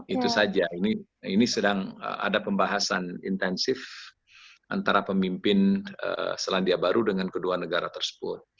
itu saja ini sedang ada pembahasan intensif antara pemimpin selandia baru dengan kedua negara tersebut